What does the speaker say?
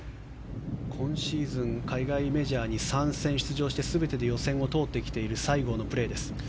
今シーズン海外メジャーに３戦出場して全てで予選を通ってきている西郷のプレーです。